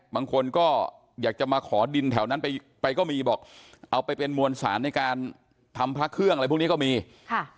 บางคนก็อยากจะมาขอดินแถวนั้นไปไปก็มีบอกเอาไปเป็นมวลสารในการทำพระเครื่องอะไรพวกนี้ก็มีค่ะ